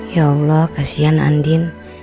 ya allah kasihan andin